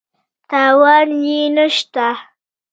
تاوان یې نه شته.